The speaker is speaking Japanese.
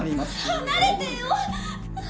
離れてよ！